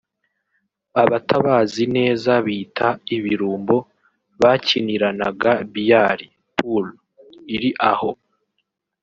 abatabazi neza bita ibirumbo bakiniranaga biyari (pool) iri aho